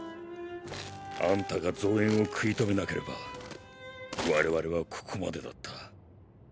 あんたが増援を食い止めなければ我々はここまでだった。